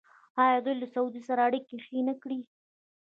آیا دوی له سعودي سره اړیکې ښې نه کړې؟